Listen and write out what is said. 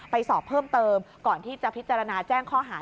สอบเพิ่มเติมก่อนที่จะพิจารณาแจ้งข้อหา